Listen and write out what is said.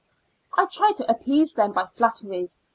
I tried to appease them by flattery.